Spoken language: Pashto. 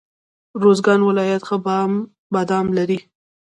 روزګان ولایت ښه بادام لري.